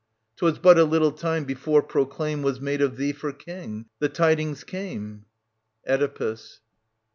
'Twas but a little time before proclaim Was made of thee for king, the tidings came. Oedipus.